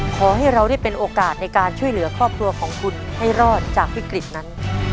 ขอให้เราได้เป็นโอกาสในการช่วยเหลือครอบครัวของคุณให้รอดจากวิกฤตนั้น